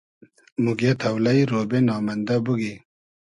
موگیۂ تۆلݷ , رۉبې نامئندۂ بوگی